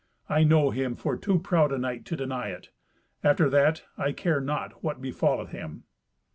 I know him for too proud a knight to deny it. After that, I care not what befalleth him."